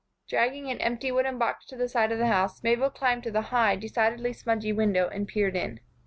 Dragging an empty wooden box to the side of the house, Mabel climbed to the high, decidedly smudgy window and peered in.